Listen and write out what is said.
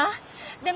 でも。